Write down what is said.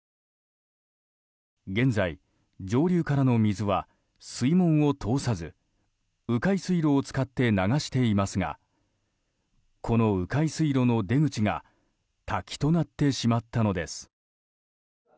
現在、上流からの水は水門を通さず迂回水路を使って流していますがこの迂回水路の出口が滝となってしまったのです。